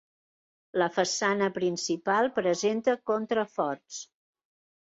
La façana principal presenta contraforts.